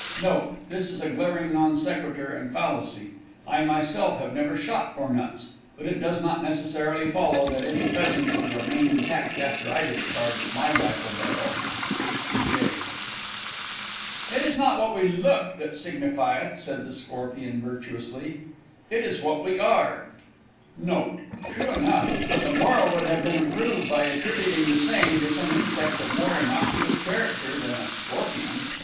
Note. This is a glaring non sequitur and fallacy. I myself have never shot for nuts but it does not necessarily follow that any pheasant would remain intact after I discharged my rifle barrel! H. B. J. "It is not what we look that signifieth," said the Scorpion virtuously, "it is what we are!" Note. True enough but the moral would have been improved by attributing the saying to some insect of more innocuous character than a Scorpion.